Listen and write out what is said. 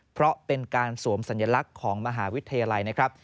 เพราะเป็นการสวมสัญลักษณ์ของมหาวิทยาลัยนะครับ